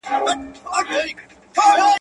کله به مار کله زمری کله به دود سو پورته !.